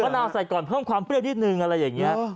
นาวใส่ก่อนเพิ่มความเปรี้ยวนิดนึงอะไรอย่างนี้